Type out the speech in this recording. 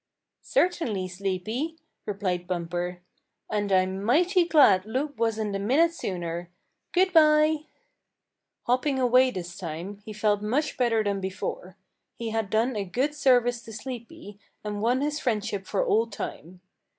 "Certainly, Sleepy," replied Bumper. "And I'm mighty glad Loup wasn't a minute sooner. Good bye!" Hopping away this time, he felt much better than before. He had done a good service to Sleepy, and won his friendship for all time.